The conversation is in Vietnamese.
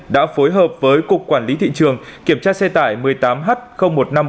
đã phối hợp với cục quản lý thị trường kiểm tra xe tải một mươi tám h một nghìn năm trăm bốn mươi tám